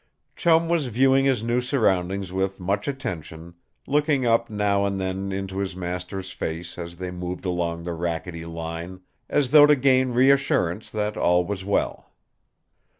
Chum was viewing his new surroundings with much attention, looking up now and then into his master's face as they moved along the rackety line as though to gain reassurance that all was well.